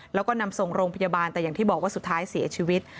แล้วก็นำส่งโรงพยาบาลแต่อย่างที่บอกว่าสุดท้ายเสียชีวิต